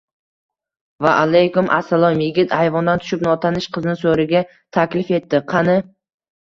— Vaalaykum assalom. — Yigit ayvondan tushib, notanish qizni soʼriga taklif etdi. — Qani…